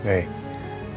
aku harus gimana mas